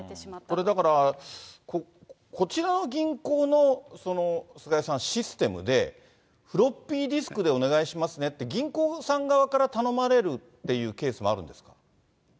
これだから、こちらの銀行の、菅井さん、システムで、フロッピーディスクでお願いしますねって、銀行さん側から頼まれるっていうケースもあるんですか？